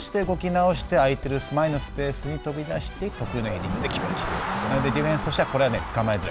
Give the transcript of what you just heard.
そうして動きなおしてあいてる前のスペースに飛び出して得意のヘディングで決めると。